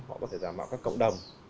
họ có thể giả mạo các cộng đồng